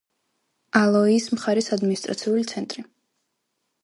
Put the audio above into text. ალოიის მხარის ადმინისტრაციული ცენტრი.